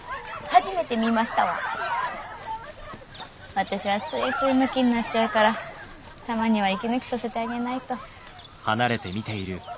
私はついついムキになっちゃうからたまには息抜きさせてあげないと。